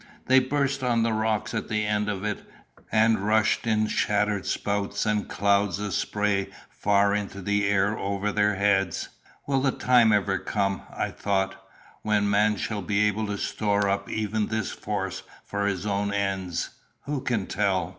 They burst on the rocks at the end of it, and rushed in shattered spouts and clouds of spray far into the air over their heads. "Will the time ever come," I thought, "when man shall be able to store up even this force for his own ends? Who can tell?"